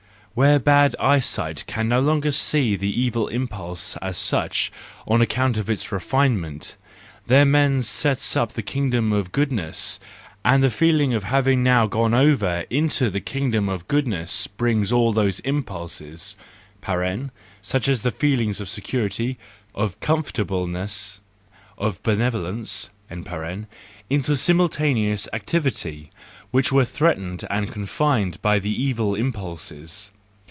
—Where bad eyesight can no longer see the evil impulse as such, on account of its refinement,—there man sets up the kingdom of goodness; and the feeling of having now gone over into the kingdom of goodness brings all those impulses (such as the feelings of security, of com¬ fortableness, of benevolence) into simultaneous activity, which were threatened and confined by the evil impulses.